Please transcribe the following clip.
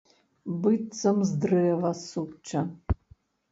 Быццам з дрэва сучча.